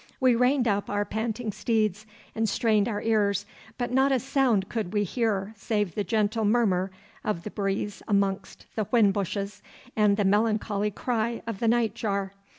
We reined up our panting steeds and strained our ears, but not a sound could we hear save the gentle murmur of the breeze amongst the whin bushes, and the melancholy cry of the night jar.